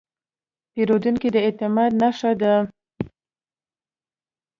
پیرودونکی د اعتماد نښه ده.